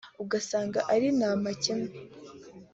ugasanga ari nta makemwa